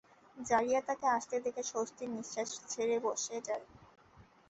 যারিয়া তাকে আসতে দেখে স্বস্তির নিঃশ্বাস ছেড়ে বসে যায়।